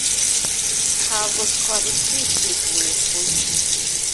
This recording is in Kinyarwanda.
Ntabwo twari twiteguye kubi.